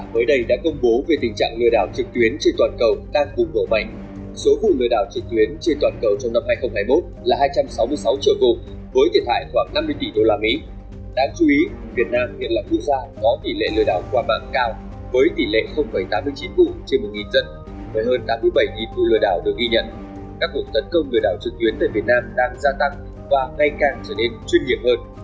với hơn tám mươi bảy tụi lừa đảo được ghi nhận các cuộc tấn công lừa đảo trực tuyến tại việt nam đang gia tăng và ngày càng trở nên chuyên nghiệp hơn